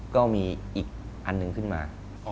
ก็มีอีกอันหนึ่งขึ้นมา